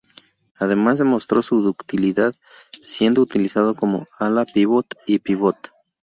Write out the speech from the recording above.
Además demostró su ductilidad, siendo utilizado como ala-pívot y pívot.